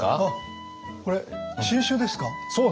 これ新酒ですか？